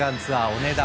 お値段